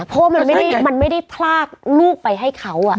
เพราะว่ามันไม่ได้พลากลูกไปให้เขา